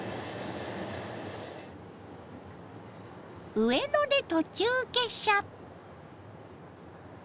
上野で途中下車。